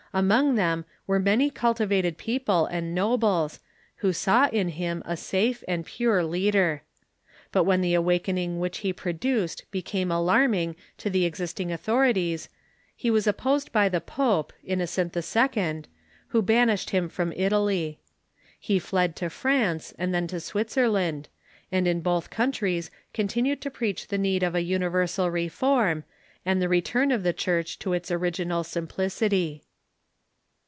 Among them were many cultivated people and nobles, who saw in him a safe and a pure leader. But when the awakening which he produced became alarming to the exist ing authorities, he was opposed b}^ the pope, Innocent II., who banished him from Italy. He fled to France, and then to Switzerland, and in l)oth countries continued to preach the need of a universal reform, and the return of the Church to its original simplicity.